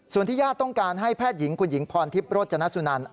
ส่วนที่ญาติต้องการให้แพทย์หญิงคุณหญิงพรทิพย์โรจนสุนัน